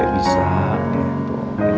masih ada kita